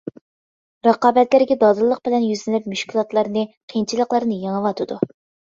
رىقابەتلەرگە دادىللىق بىلەن يۈزلىنىپ مۈشكۈلاتلارنى، قىيىنچىلىقلارنى يېڭىۋاتىدۇ.